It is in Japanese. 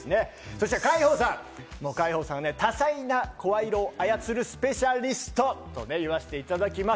そして海宝さん、多彩な声色を操るスペシャリストと言わせていただきます。